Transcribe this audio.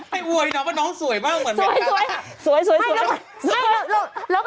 พี่เมฆ